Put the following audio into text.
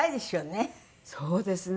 そうですね。